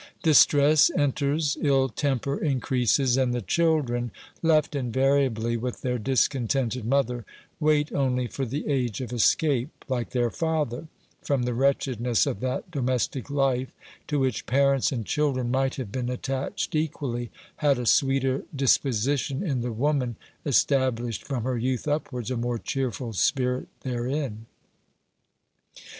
Distress enters, ill temper increases, and the children, left invariably with their discontented mother, wait only for the age of escape, like their father, from the wretchedness of that domestic life, to which parents and children might have been attached equally, had a sweeter disposition in the woman established, from her youth upwards, a more cheerful spirit therein.